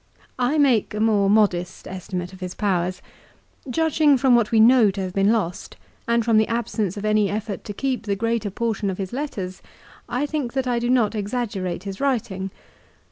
I make a more modest estimate of his powers. Judging from what we know to have been lost, and from the absence of any effort to keep the greater portion of his letters, I think that I do not exaggerate his writing.